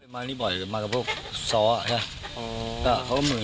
มานี้บ่อยมากับพวกซ้อเปล่าเห้ยอ่าเขาเขาไม่เห็น